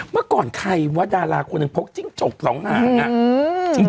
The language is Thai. เมื่อก่อนใครว่าดาราควณงคโมกจิ้งจกสองหาง